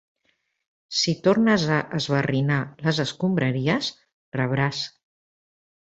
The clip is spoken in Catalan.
Si tornes a esbarriar les escombraries, rebràs.